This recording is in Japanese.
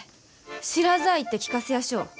知らざあ言って聞かせやしょう。